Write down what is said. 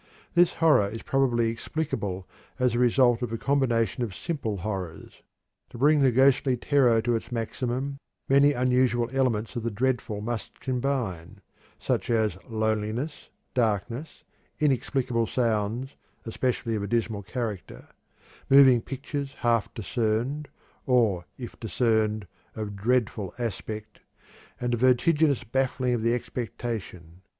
This horror is probably explicable as the result of a combination of simple horrors. To bring the ghostly terror to its maximum, many unusual elements of the dreadful must combine, such as loneliness, darkness, inexplicable sounds, especially of a dismal character, moving pictures half discerned (or, if discerned, of dreadful aspect), and a vertiginous baffling of the expectation.